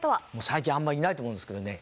最近あんまいないと思うんですけどね。